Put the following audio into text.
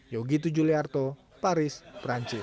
yogi tujuliarto paris perancis